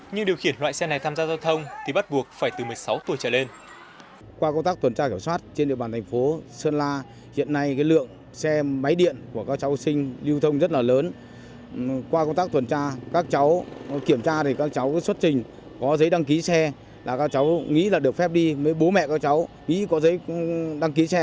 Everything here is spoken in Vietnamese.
nhưng điều khiển loại xe này tham gia giao thông thì bắt buộc phải từ một mươi sáu tuổi trở lên